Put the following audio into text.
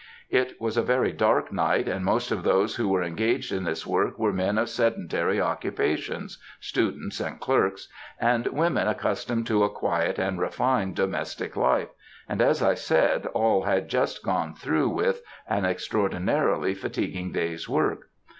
It was a very dark night, and most of those who were engaged in this work were men of sedentary occupations,—students and clerks,—and women accustomed to a quiet and refined domestic life, and, as I said, all had just gone through with an extraordinarily fatiguing day's work.